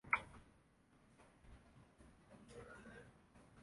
Los siguientes libros están ordenados por orden de cronología interna, no de publicación.